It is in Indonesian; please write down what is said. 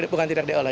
bukan tidak diolah